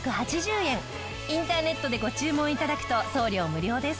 インターネットでご注文頂くと送料無料です。